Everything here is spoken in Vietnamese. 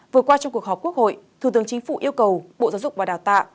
vừa qua trong cuộc họp quốc hội thủ tướng chính phủ yêu cầu bộ giáo dục và đào tạo